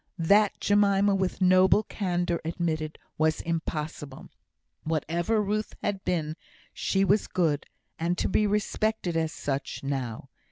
that Jemima, with noble candour, admitted was impossible. Whatever Ruth had been, she was good, and to be respected as such, now.